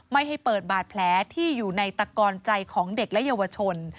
ไม่ให้เปิดบาดแผลที่อยู่ในตะกอนใจของเด็กและเยาวชน